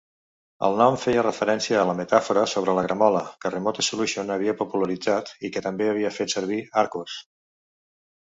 El nom feia referència a la metàfora sobre la gramola que "Remote Solution" havia popularitzat i que també havia fet servir "Archos".